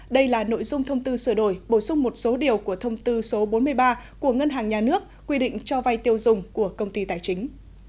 đây là nội dung thông tư sửa đổi bổ sung một số điều của thông tư số bốn mươi ba của ngân hàng nhà nước quy định cho vay tiêu dùng của công ty tài chính